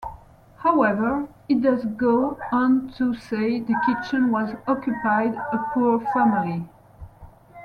However, he does go on to say the kitchen was occupied a poor family.